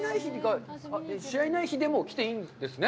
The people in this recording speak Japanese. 試合ない日でも来ていいんですね。